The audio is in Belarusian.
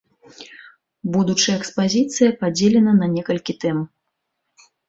Будучая экспазіцыя падзелена на некалькі тэм.